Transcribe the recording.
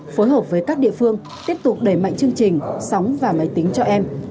phối hợp với các địa phương tiếp tục đẩy mạnh chương trình sóng và máy tính cho em